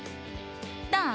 どう？